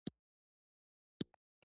ښځه د سپېڅلتیا سمبول ده.